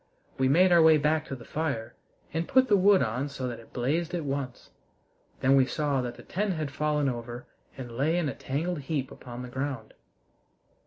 We made our way back to the fire and put the wood on so that it blazed at once. Then we saw that the tent had fallen over and lay in a tangled heap upon the ground.